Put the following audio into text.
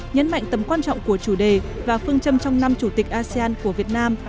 nhấn mạnh tầm quan trọng của chủ đề và phương châm trong năm chủ tịch asean của việt nam